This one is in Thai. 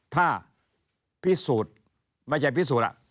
ถ้าพิสูจน์ไม่ใช่พิสูจน์